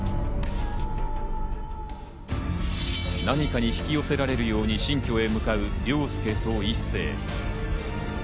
何かに引き寄せられるように新居へ向かう凌介と一星。